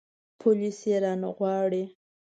پوليس يې رانه غواړي.